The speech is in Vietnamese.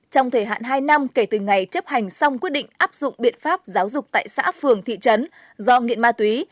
trong thời hạn hai năm kể từ ngày chấp hành xong quyết định áp dụng biện pháp giáo dục tại xã phường thị trấn do nghiện ma túy